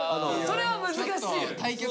それは難しい。